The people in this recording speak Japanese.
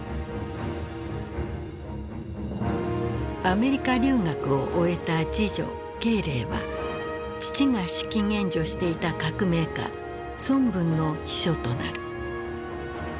アメリカ留学を終えた次女慶齢は父が資金援助していた革命家孫文の秘書となる。